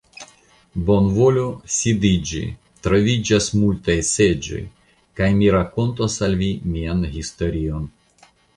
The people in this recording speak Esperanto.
Bonvolu sidiĝi, troviĝas multaj seĝoj; kaj mi rakontos al vi mian historion.